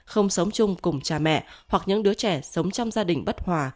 không sống chung cùng cha mẹ hoặc những đứa trẻ sống trong gia đình bất hòa